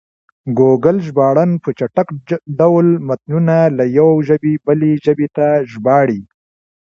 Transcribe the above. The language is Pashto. ګوګل ژباړن په چټک ډول متنونه له یوې ژبې بلې ته ژباړي.